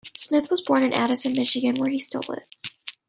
Smith was born in Addison, Michigan, where he still lives.